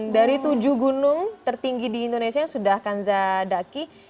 dari tujuh gunung tertinggi di indonesia yang sudah kanza daki